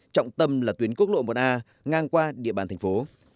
trọng tâm là tuyến quốc lộ một a ngang qua địa bàn thành phố